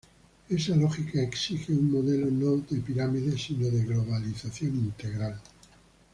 Esa lógica exige un modelo no de pirámide, sino de globalización integral.